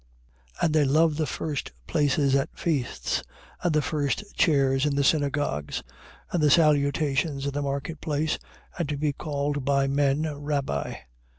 And they love the first places at feasts and the first chairs in the synagogues, 23:7. And salutations in the market place, and to be called by men, Rabbi.